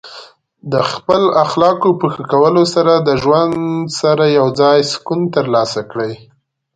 د خپل اخلاقو په ښه کولو سره د ژوند سره یوځای سکون ترلاسه کړئ.